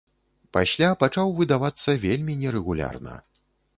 Пасля пачаў выдавацца вельмі нерэгулярна.